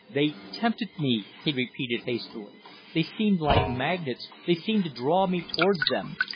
"They tempted me," he repeated, hastily. "They seemed like magnets they seemed to draw me towards them.